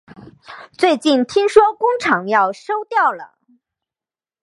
最近听说工厂要收掉了